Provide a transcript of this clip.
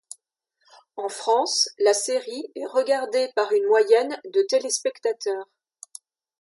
En France, la série est regardée par une moyenne de de téléspectateurs.